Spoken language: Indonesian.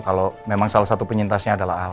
kalau memang salah satu penyintasnya adalah al